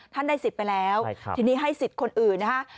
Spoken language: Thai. ได้สิทธิ์ไปแล้วทีนี้ให้สิทธิ์คนอื่นนะฮะ